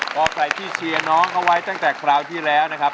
เพราะใครที่เชียร์น้องเขาไว้ตั้งแต่คราวที่แล้วนะครับ